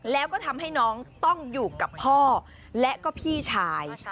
แล้วก็ทำให้น้องต้องอยู่กับพ่อและก็พี่ชาย